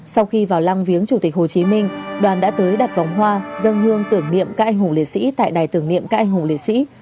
sau khi vào lăng viếng chủ tịch hồ chí minh đoàn đã tới đặt vòng hoa dân hương tưởng niệm các anh hùng liệt sĩ tại đài tưởng niệm các anh hùng liệt sĩ